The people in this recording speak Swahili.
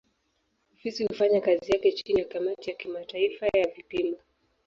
Ofisi hufanya kazi yake chini ya kamati ya kimataifa ya vipimo.